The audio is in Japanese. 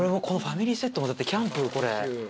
このファミリーセットもだってキャンプこれ。